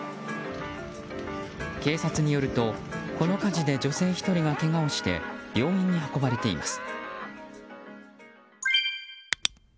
警察によると、この火事で女性１人がけがをして病院に運ばれています。